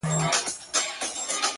چي نې غواړم مې راوينې.